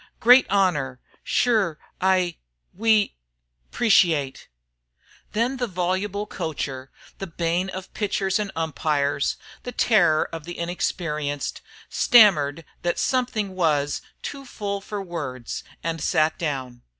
"Great honor sure I we 'preciate " Then the voluble coacher, the bane of pitchers and umpires, the terror of the inexperienced, stammered that something was "too full fer words" and sat down.